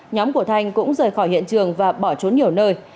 nhóm của thanh cũng rời khỏi hiện trường và bỏ trốn nhiều nơi